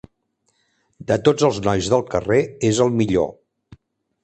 De tots els nois del carrer, és el millor.